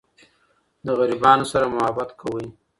له غریبانو سره محبت کوئ.